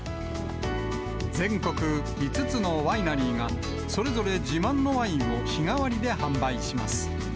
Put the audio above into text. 全国５つのワイナリーが、それぞれ自慢のワインを日替わりで販売します。